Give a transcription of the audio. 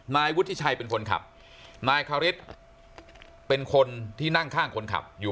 นายวุฒิชัยเป็นคนขับนายคาริสเป็นคนที่นั่งข้างคนขับอยู่